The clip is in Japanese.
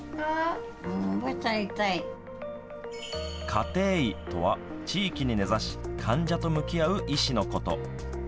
家庭医とは、地域に根ざし患者と向き合う医師のこと。